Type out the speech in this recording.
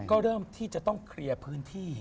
ก็เริ่มที่จะต้องเคลียร์พื้นที่